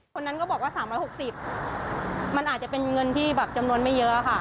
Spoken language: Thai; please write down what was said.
คนนั้นก็บอกว่า๓๖๐มันอาจจะเป็นเงินที่แบบจำนวนไม่เยอะค่ะ